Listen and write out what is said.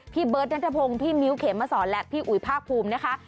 พี่เบิร์ตนัทพงศ์พี่มิ้วเขมสอนและพี่อุ๋ยภาคภูมินะคะ